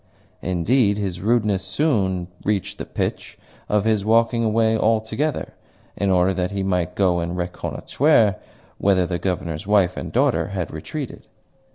Indeed, his rudeness soon reached the pitch of his walking away altogether, in order that he might go and reconnoitre wither the Governor's wife and daughter had retreated.